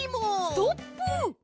ストップ！